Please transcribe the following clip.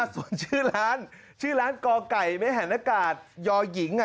ส่วนชื่อร้านก่อก๋าไก่มหานกาลยอหญิง